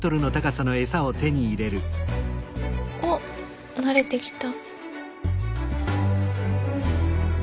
おっ慣れてきた。